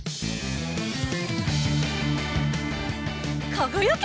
かがやけ！